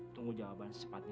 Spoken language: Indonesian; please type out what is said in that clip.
tunggu jawaban secepatnya